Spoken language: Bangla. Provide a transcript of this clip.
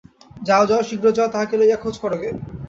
যাও যাও, শীঘ্র যাও, তাঁহাকে লইয়া খোঁজ করো গে।